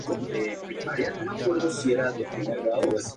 Se encuentra en Armenia, Azerbaiyán, Georgia, Irán y Turquía.